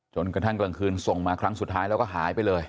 จนกระทั่งกลางคืนส่งมาครั้งสุดท้ายแล้วก็หายไปเลย